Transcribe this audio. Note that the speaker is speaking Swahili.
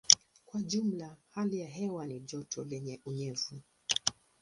Kwa jumla hali ya hewa ni joto lenye unyevu.